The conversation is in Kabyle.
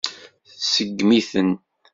Tseggem-iten.